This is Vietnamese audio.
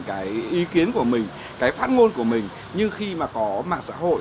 cái ý kiến của mình cái phát ngôn của mình như khi mà có mạng xã hội